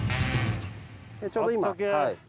ちょうど今。